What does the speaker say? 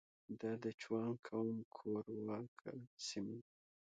دا د جوانګ قوم کورواکه سیمه ده.